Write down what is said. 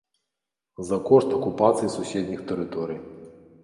За кошт акупацыі суседніх тэрыторый.